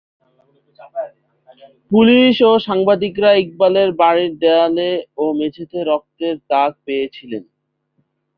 Police ও সাংবাদিকরা ইকবালের বাড়ির দেয়ালে ও মেঝেতে রক্তের দাগ পেয়েছিলেন।